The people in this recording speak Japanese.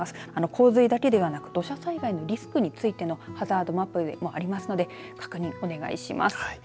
洪水だけではなく土砂災害のリスクについてのハザードマップもありますので確認をお願いします。